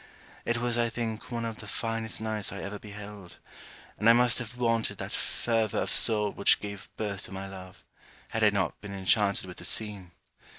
It was I think one of the finest nights I ever beheld; and I must have wanted that fervour of soul which gave birth to my love, had I not been enchanted with the scene.